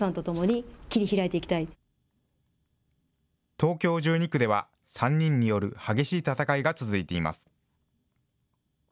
東京１２区では、３人による激しい戦いが続いています。